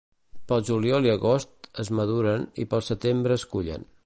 Pel juliol i l'agost es maduren i pel setembre es cullen.